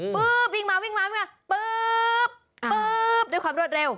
ปึ๊บวิ่งมาปึ๊บด้วยความรวดเร็ว